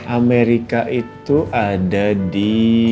amerika itu ada di